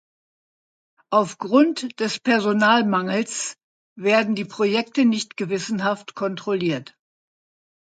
Aufgrund des Personalmangels werden die Projekte nicht gewissenhaft kontrolliert.